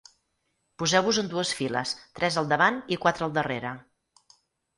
Poseu-vos en dues files, tres al davant i quatre al darrere.